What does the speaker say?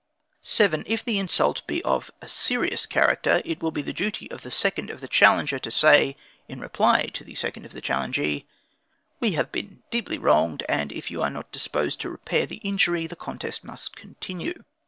7. If the insult be of a serious character, it will be the duty of the second of the challenger, to say, in reply to the second of the challengee: "We have been deeply wronged, and if you are not disposed to repair the injury, the contest must continue."